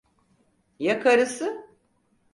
Ya karısı?